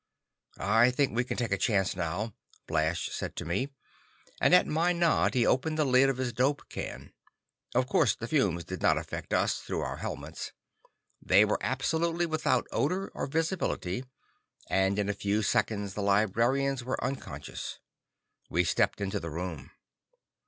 "I think we can take a chance now," Blash said to me, and at my nod, he opened the lid of his dope can. Of course, the fumes did not affect us, through our helmets. They were absolutely without odor or visibility, and in a few seconds the librarians were unconscious. We stepped into the room.